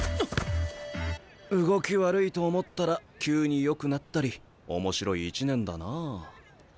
動き悪いと思ったら急によくなったり面白い１年だなあ。